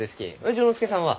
丈之助さんは？